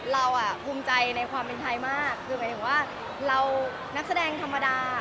เราอ่ะภูมิใจในความเป็นไทยมากคือหมายถึงว่าเรานักแสดงธรรมดา